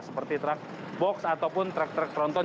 seperti trek box ataupun trek trek tronton